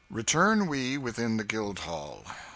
Return we within the Guildhall.